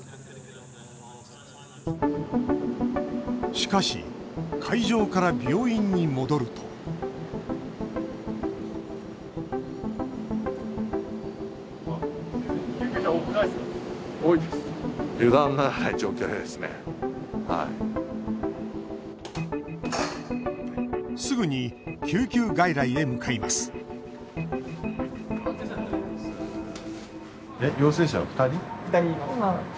しかし会場から病院に戻るとすぐに救急外来へ向かいます２人います。